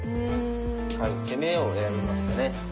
はい攻めを選びましたね。